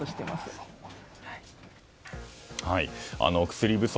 薬不足。